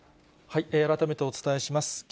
改めてお伝えします。